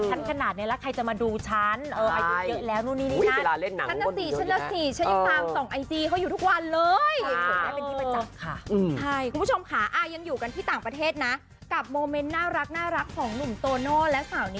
ขั้นขนาดนี้แล้วใครจะมาดูชั้น